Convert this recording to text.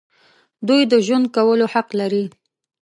دوی د ژوند کولو حق لري.